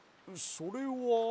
それは？